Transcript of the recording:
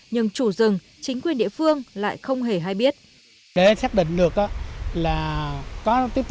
nhưng chủ rừng chính quyền địa phương lại không hề hay biết